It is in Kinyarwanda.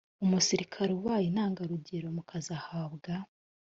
umusirikare ubaye intangarugero mu kazi ahabwa